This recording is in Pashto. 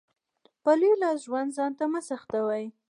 په لوی لاس ژوند ځانته مه سخوئ.